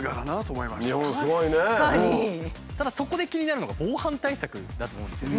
ただそこで気になるのが防犯対策だと思うんですよね。